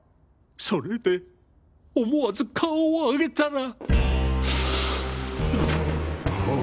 それで思わず顔を上げたら。